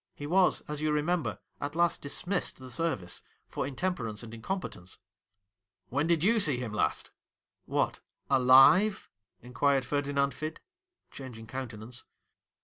He was, as you remember, at last dismissed the service for intemperance and incompetence.' ' When did you see him last ?'' What, alive ?' inquired Ferdinand Fid, changing countenance.